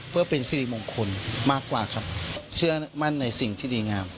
เพื่อเป็นสิริมงคลมากกว่าครับเชื่อมั่นในสิ่งที่ดีงาม